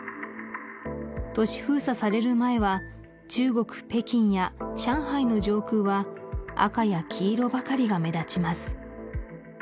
都市封鎖される前は中国・北京や上海の上空は赤や黄色ばかりが目立ちます